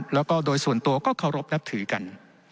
แล้วก็โดยส่วนตัวก็เคารพนับถือกัน